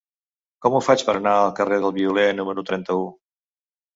Com ho faig per anar al carrer del Violer número trenta-u?